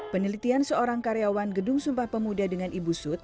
penelitian seorang karyawan gedung sumpah pemuda dengan ibu sud